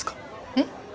えっ？